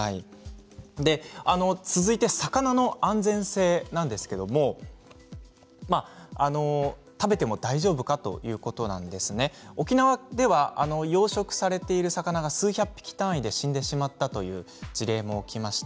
続いて魚の安全性なんですけど食べても大丈夫かということなんですが沖縄では養殖されている魚が数百匹単位で死んでしまったということでした。